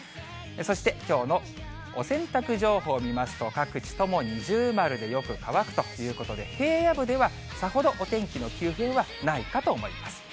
そしてきょうのお洗濯情報見ますと、各地とも二重丸でよく乾くということで、平野部ではさほどお天気の急変はないかと思います。